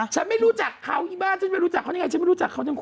ฉันไม่รู้จักเขาอีบ้าฉันไม่รู้จักเขานี่ไงฉันไม่รู้จักเขาจริง